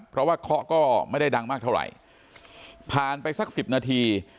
เพราะว่าเคาะก็ไม่ได้ดังมากเท่าไหร่ผ่านไปสักสิบนาที